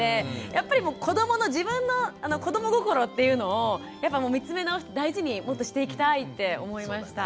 やっぱり自分の子ども心っていうのを見つめ直して大事にもっとしていきたいって思いました。